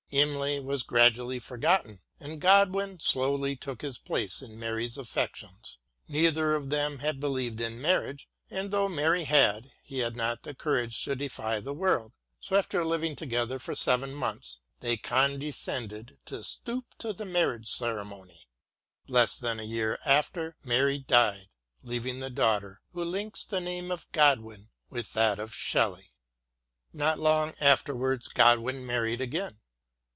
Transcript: Imlay was gradually forgotten and Godwin slowly took his place in Mary's affections. Neither of them believed in marriage, and though Mary had, he had not the courage to defy the world, so after living together for seven months they con descended to stoop to the marriage ceremony. Less than a year after, Mary died leaving the daughter who links the name of Godwin with that of SheUey. Not long afterwards Godwin married again.